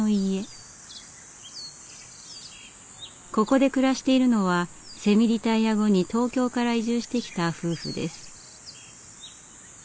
ここで暮らしているのはセミリタイア後に東京から移住してきた夫婦です。